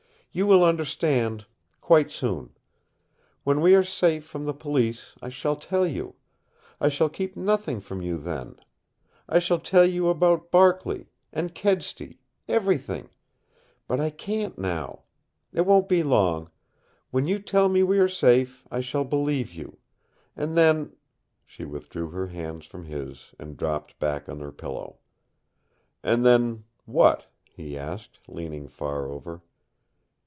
"You will understand quite soon. When we are safe from the Police, I shall tell you. I shall keep nothing from you then. I shall tell you about Barkley, and Kedsty everything. But I can't now. It won't be long. When you tell me we are safe, I shall believe you. And then " She withdrew her hands from his and dropped back on her pillow. "And then what?" he asked, leaning far over.